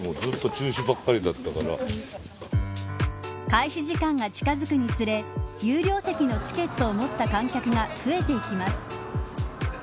開始時間が近づくにつれ有料席のチケットを持った観客が増えていきます。